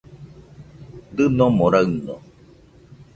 Dɨnomo raɨno